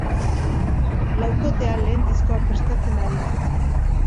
Laukotea lehen diskoa prestatzen ari da.